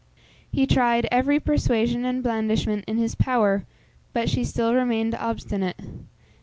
He tried every persuasion and blandishment in his power, but she still remained obstinate.